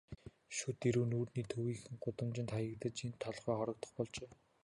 Шүд эрүү нүүрний төвийнхөн гудамжинд хаягдаж, энд толгой хоргодох болжээ.